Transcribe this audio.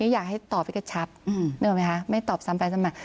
อยากให้ตอบไปกับชับไม่ตอบซ้ำไปซ้ำมา